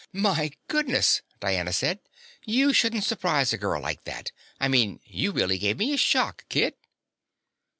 "My goodness!" Diana said. "You shouldn't surprise a girl like that! I mean, you really gave me a shock, kid!"